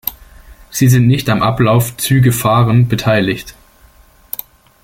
Sie sind nicht am Ablauf „Züge fahren“ beteiligt.